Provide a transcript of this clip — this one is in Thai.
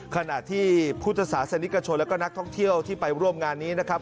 ขณะที่พุทธศาสนิกชนและก็นักท่องเที่ยวที่ไปร่วมงานนี้นะครับ